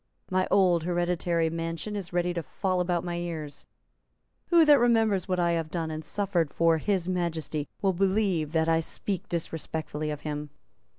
My old hereditary mansion is ready to fall about my ears. Who that remembers what I have done and suffered for His Majesty will believe that I would speak disrespectfully of him?"